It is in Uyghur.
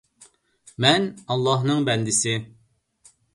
مەن ئاللاھنىڭ بەندىسى